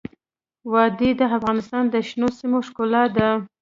وادي د افغانستان د شنو سیمو ښکلا ده.